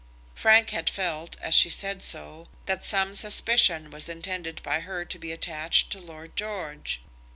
Frank had felt, as she said so, that some suspicion was intended by her to be attached to Lord George.